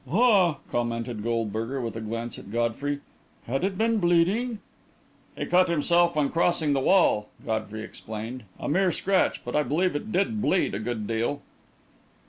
"Ah!" commented Goldberger, with a glance at Godfrey. "Had it been bleeding?" "He cut himself when crossing the wall," Godfrey explained; "a mere scratch, but I believe it did bleed a good deal."